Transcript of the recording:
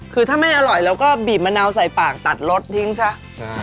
คือถ้าไม่อร่อยเราก็บีบมะนาวใส่ปากตัดรสทิ้งซะ